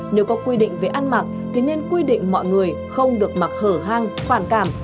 nếu có quy định về ăn mặc thì nên quy định mọi người không được mặc hở hang phản cảm